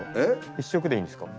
１色でいいんですか？